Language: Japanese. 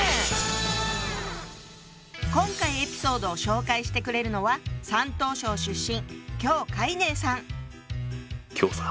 今回エピソードを紹介してくれるのは山東省出身姜海寧さん。